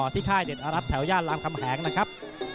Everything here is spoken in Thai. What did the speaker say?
ค่ายเด็ดอรัฐแถวย่านรามคำแหงนะครับ